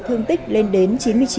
thương tích lên đến chín mươi chín